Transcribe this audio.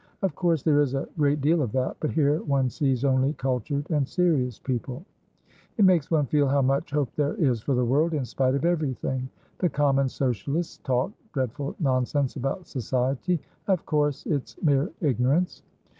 Of course there is a great deal of that. But here one sees only cultured and serious people; it makes one feel how much hope there is for the world, in spite of everything. The common Socialists talk dreadful nonsense about Society; of course it's mere ignorance."